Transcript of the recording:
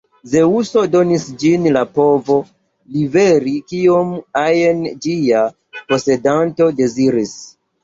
Zeŭso donis ĝin la povo liveri kiom ajn ĝia posedanto deziris.